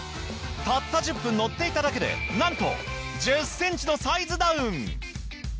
たった１０分乗っていただけでなんと１０センチのサイズダウン！